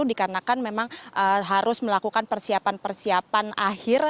dikarenakan memang harus melakukan persiapan persiapan akhir